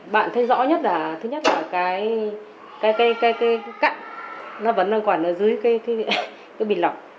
bạn thấy rõ nhất là thứ nhất là cái cặn nó vẫn đang quản ở dưới cái bình lọc